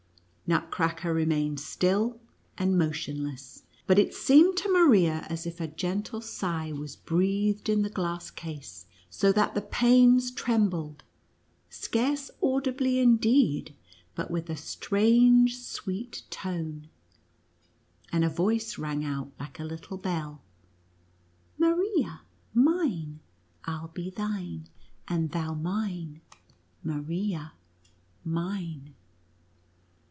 Nutcracker remained still and motionless, but it seemed to Maria as if a gentle sigh was breathed in the glass case, so that the panes trembled, scarce audibly indeed, but with a strange, sweet tone ; and a voice rang out, like a little bell :" Maria mine — I'll be thine — and thou mine — Maria 92 NUTCRACKER AND MOUSE KING. mine